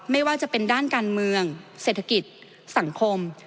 ไม่ว่าจะเป็นด้านการเมืองเศรษฐกิจสังคม